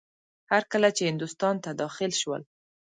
هر کله چې هندوستان ته داخل شول.